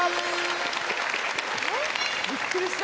びっくりした。